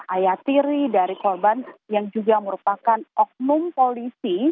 ayatiri dari korban yang juga merupakan oknum polisi